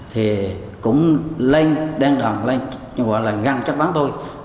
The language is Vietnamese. thì cũng lên đèn đòn lên găng chất vấn tôi